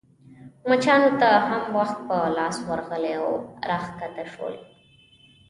مچانو ته هم وخت په لاس ورغلی او راکښته شول.